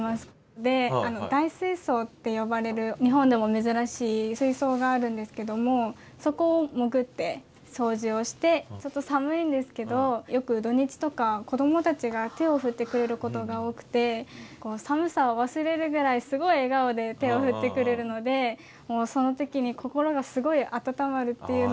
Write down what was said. で大水槽って呼ばれる日本でも珍しい水槽があるんですけどもそこを潜って掃除をしてちょっと寒いんですけどよく土日とか子どもたちが手を振ってくれることが多くて寒さを忘れるぐらいすごい笑顔で手を振ってくれるのでその時に心がすごい温まるっていうのをちょっと思い出して。